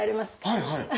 はいはい。